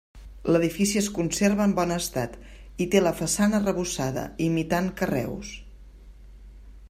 L'edifici es conserva en bon estat i té la façana arrebossada, imitant carreus.